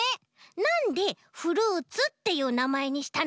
なんでフルーツっていうなまえにしたの？